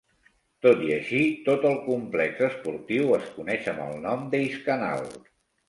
Tot i així, tot el complex esportiu es coneix amb el nom de Eiskanal.